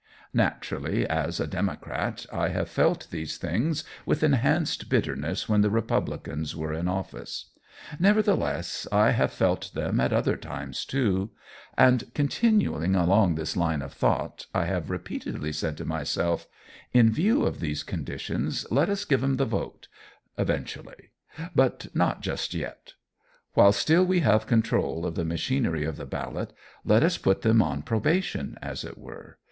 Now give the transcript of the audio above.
Naturally, as a Democrat I have felt these things with enhanced bitterness when the Republicans were in office; nevertheless, I have felt them at other times, too. And, continuing along this line of thought, I have repeatedly said to myself: "In view of these conditions, let us give 'em the vote eventually, but not just yet. While still we have control of the machinery of the ballot let us put them on probation, as it were.